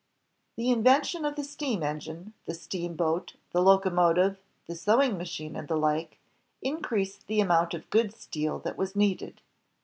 The invention of the steam engine, the steamboat, the locomotive, the sewing machine, and the like, increased the amount of good steel that was needed.